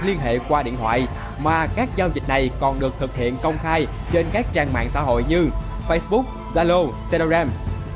liên hệ qua điện thoại mà các giao dịch này còn được thực hiện công khai trên các trang mạng xã hội như facebook zalo telegram